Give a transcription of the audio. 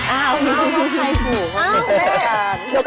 อ้าวแม่ชมใครถูกครับ